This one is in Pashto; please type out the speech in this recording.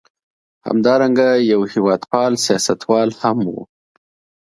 همدارنګه یو هېواد پال سیاستوال هم و.